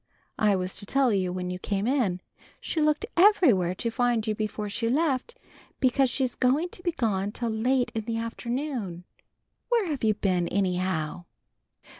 I was to tell you when you came in. She looked everywhere to find you before she left, because she's going to be gone till late in the afternoon. Where you been, anyhow?"